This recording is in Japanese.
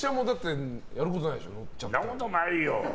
そんなことないよ！